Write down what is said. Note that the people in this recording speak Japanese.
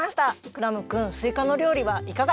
クラムくんすいかの料理はいかがでしたか？